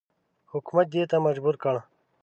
حکومت دې ته مجبور کړ.